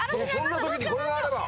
そんな時にこれがあれば。